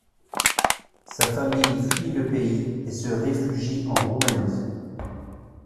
Sa famille fuit le pays et se réfugie en Roumanie.